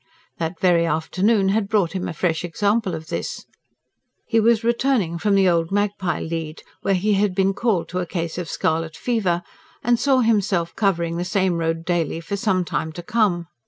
That very afternoon had brought him a fresh example of this. He was returning from the Old Magpie Lead, where he had been called to a case of scarlet fever, and saw himself covering the same road daily for some time to come.